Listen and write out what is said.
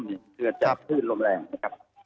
เช่นคือจากคลื่นลมแรงนะครับ